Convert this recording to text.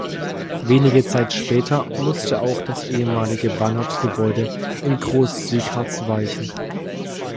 Wenige Zeit später musste auch das ehemalige Bahnhofsgebäude in Groß-Siegharts weichen.